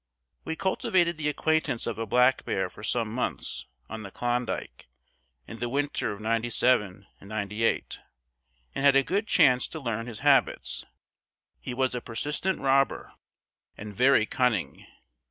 We cultivated the acquaintance of a black bear for some months, on the Klondike, in the winter of '97 '98, and had a good chance to learn his habits. He was a persistent robber and very cunning.